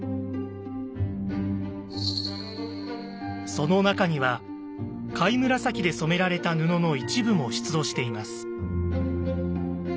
その中には貝紫で染められた布の一部も出土しています。